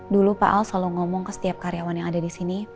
dulu pak al selalu ngomong ke setiap karyawan yang ada di sini